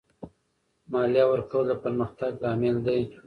مالیه ورکول د پرمختګ لامل دی.